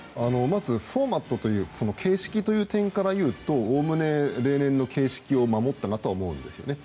フォーマットという形式の点からみるとおおむね例年の形式を守ったなとは思うんですよね。